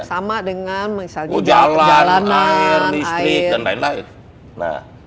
sama dengan misalnya jalanan air listrik dan lain lain